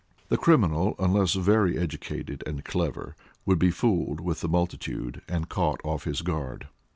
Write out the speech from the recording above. The criminal, unless very educated and clever, would be fooled with the multitude and caught off his guard.